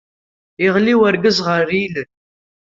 Yeɣli urgaz ɣer yilel!